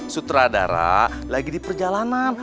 sutradara lagi di perjalanan